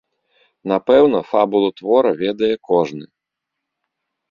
Напэўна, фабулу твора ведае кожны.